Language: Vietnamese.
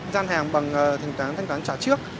gian hàng bằng thanh toán trả trước